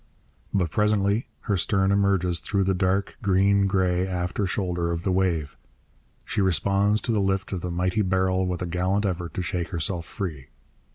But presently her stern emerges through the dark, green grey after shoulder of the wave. She responds to the lift of the mighty barrel with a gallant effort to shake herself free.